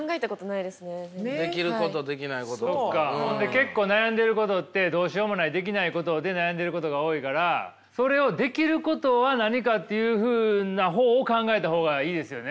結構悩んでることってどうしようもないできないことで悩んでることが多いからそれをできることは何かというふうな方を考えた方がいいですよね。